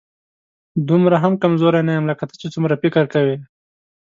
دومره هم کمزوری نه یم، لکه ته چې څومره فکر کوې